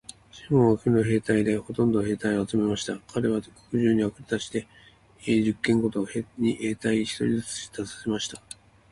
シモンは藁の兵隊でほんとの兵隊を集めました。かれは国中にふれを出して、家十軒ごとに兵隊一人ずつ出させました。